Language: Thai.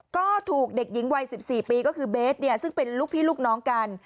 ก็ถูกเด็กหญิงวัย๑๔ปีก็คือเบสซึ่งเป็นลูกพี่ลูกน้องกัน